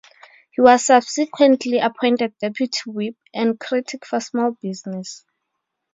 He was subsequently appointed deputy whip and critic for small business.